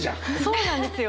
そうなんですよ。